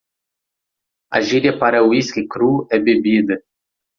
A gíria para o uísque cru é bebida.